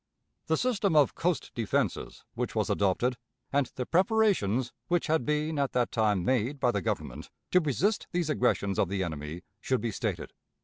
The system of coast defenses which was adopted and the preparations which had been at that time made by the Government to resist these aggressions of the enemy should be stated.